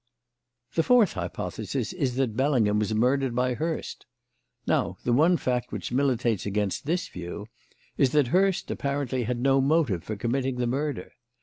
"The fourth hypothesis is that Bellingham was murdered by Hurst. Now the one fact which militates against this view is that Hurst apparently had no motive for committing the murder.